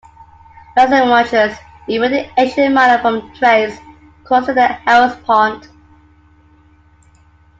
Lysimachus invaded Asia Minor from Thrace, crossing the Hellespont.